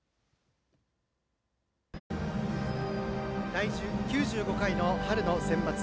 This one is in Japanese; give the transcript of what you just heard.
第９５回の春のセンバツ。